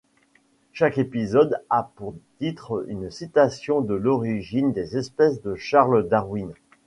Chaque épisode a pour titre une citation de L'Origine des espèces de Charles Darwin.